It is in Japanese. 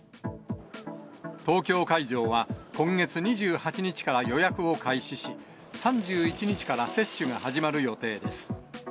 東京会場は、今月２８日から予約を開始し、３１日から接種が始まる予定です。